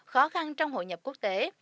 khó khăn trong hội nhập quốc tế